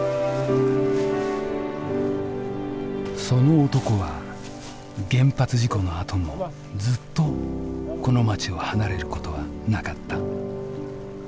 その男は原発事故のあともずっとこの町を離れることはなかった。